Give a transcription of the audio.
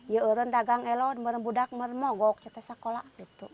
ya orang dagang elok budak merengok kita sekolah